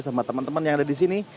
sama teman teman yang ada disini